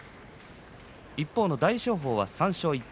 一方の大翔鵬は３勝１敗。